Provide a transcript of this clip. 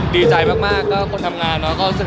ดีใจมากคนทำงาน